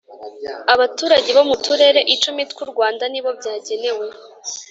Abaturage bo mu turere icumi twurwanda nibo byagenewe